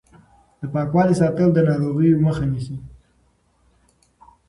د پاکوالي ساتل د ناروغۍ مخه نیسي.